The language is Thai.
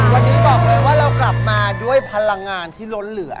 วันนี้บอกเลยว่าเรากลับมาด้วยพลังงานที่ล้นเหลือ